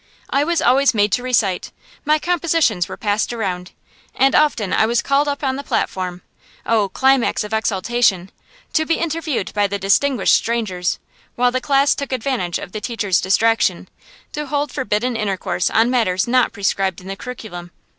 I was always made to recite, my compositions were passed around, and often I was called up on the platform oh, climax of exaltation! to be interviewed by the distinguished strangers; while the class took advantage of the teacher's distraction, to hold forbidden intercourse on matters not prescribed in the curriculum.